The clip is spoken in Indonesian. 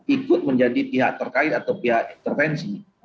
ikut menjadi pihak terkait atau pihak intervensi